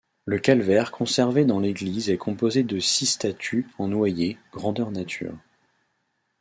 Le calvaire conservé dans l'église est composé de six statues en noyer, grandeur nature.